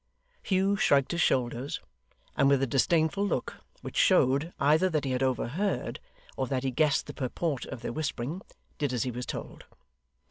Hugh shrugged his shoulders, and with a disdainful look, which showed, either that he had overheard, or that he guessed the purport of their whispering, did as he was told.